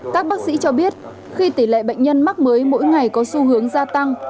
các bác sĩ cho biết khi tỷ lệ bệnh nhân mắc mới mỗi ngày có xu hướng gia tăng